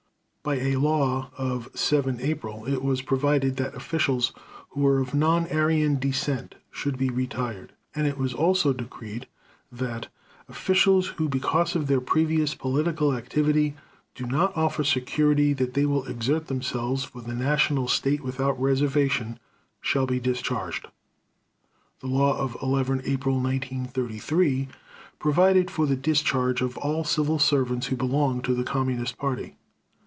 By a law of 7 April it was provided that officials "who were of non Aryan descent" should be retired; and it was also decreed that "officials who because of their previous political activity do not offer security that they will exert themselves for the national state without reservation shall be discharged." The law of 11 April 1933 provided for the discharge of "all civil servants who belong to the Communist Party."